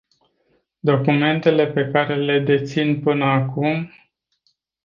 Documentele pe care le dețin până acum...